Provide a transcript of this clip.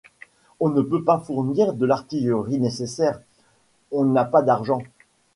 On ne peut se fournir de l’artillerie nécessaire, on n’a pas d’argent.